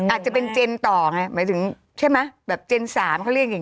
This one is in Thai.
อาจจะเป็นเจนต่อไงหมายถึงเจนสามเขาเรียกยังไง